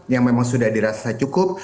yang memang sudah dirasa cukup